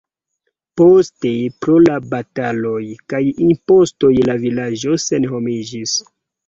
Poste pro la bataloj kaj impostoj la vilaĝo senhomiĝis.